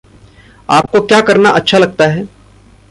आपको क्या करना अच्छा लगता है?